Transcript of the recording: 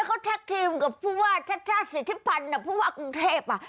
เขาทักทีมกับผู้ว่าชาติชาติสิทธิพันธ์ในกรุงเทพฯ